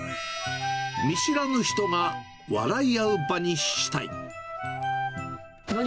見知らぬ人が笑い合う場にしたい。